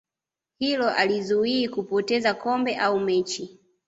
hilo halizuii kupoteza kombe au mechi